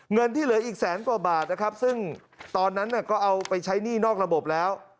เงินที่เหลืออีกแสนกว่าบาทนะครับซึ่งตอนนั้นก็เอาไปใช้หนี้นอกระบบแล้ว